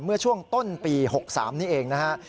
เมื่อช่วงต้นปี๖๓นี้เองนะฮะ